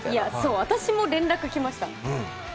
私も連絡来ました。